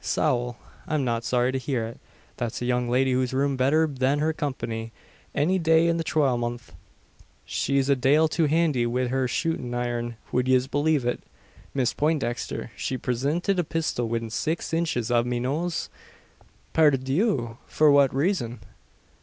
Sowl! I'm not sorry to hear it. That's a young lady whose room's betther than her company, any day in the twilmonth. She's a dale too handy wid her shootin' iron. Wud yez belave it, Miss Pointdixther; she prisinted a pistol widin six inches av me nose?" "Pardieu! For what reason?"